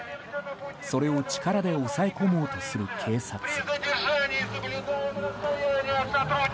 それを力で抑え込もうとする警察。